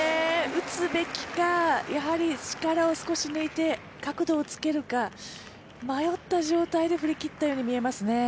打つべきか、力を少し抜いて角度をつけるか、迷った状態で振り切ったように見えますね。